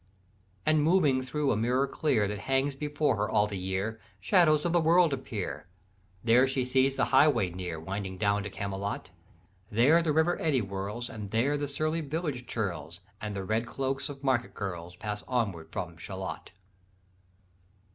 "And moving thro' a mirror clear That hangs before her all the year, Shadows of the world appear. There she sees the highway near, Winding down to Camelot: There the river eddy whirls, And there the surly village churls, And the red cloaks of market girls, Pass onward from Shalott.